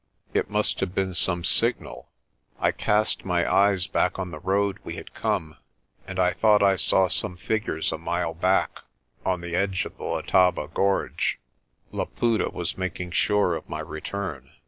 It must have been some signal. I cast my eyes back on the road we had come and I thought I saw some figures a mile back, on the edge of the Letaba gorge. Laputa was making sure of my return.